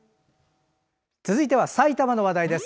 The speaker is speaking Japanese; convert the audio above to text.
続いては埼玉の話題です。